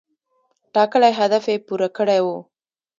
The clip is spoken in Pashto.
ټاکلی هدف یې پوره کړی و.